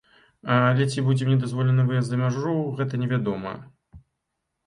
Але ці будзе мне дазволены выезд за мяжу, гэта не вядома.